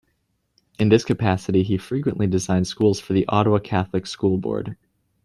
In this capacity he frequently designed schools for the Ottawa Catholic School Board.